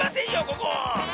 ここ！